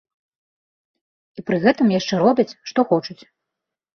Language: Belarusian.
І пры гэтым яшчэ робяць, што хочуць.